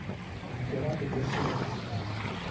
Ha dichiarato di essere cristiana.